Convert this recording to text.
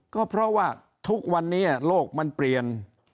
ก็เพราะว่าทุกวันนี้โลกมันเปลี่ยน